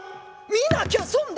見なきゃ損だ。